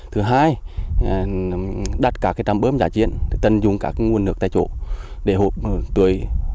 thứ hai là đặt các trăm bớm giải triển để tận dụng các nguồn nước tại chỗ